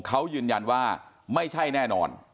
เขายืนยันว่าไม่ใช่แน่นอน